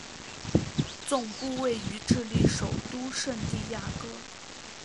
总部位于智利首都圣地亚哥。